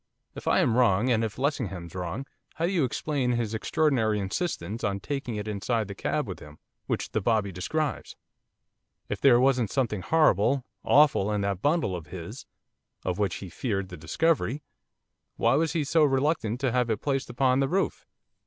If I am wrong, and if Lessingham's wrong, how do you explain his extraordinary insistence on taking it inside the cab with him, which the bobby describes? If there wasn't something horrible, awful in that bundle of his, of which he feared the discovery, why was he so reluctant to have it placed upon the roof?